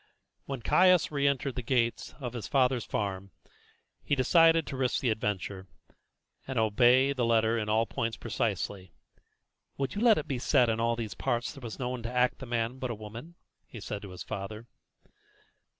When Caius re entered the gate of his father's farm he had decided to risk the adventure, and obey the letter in all points precisely. "Would you let it be said that in all these parts there was no one to act the man but a woman?" he said to his father.